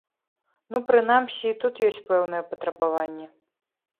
Ну, прынамсі і тут ёсць пэўныя патрабаванні.